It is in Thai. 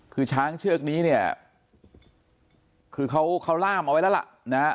คือช้างเชือกนี้เนี่ยคือเขาล่ามเอาไว้แล้วล่ะนะฮะ